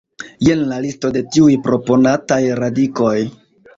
Jen la listo de tiuj proponataj radikoj.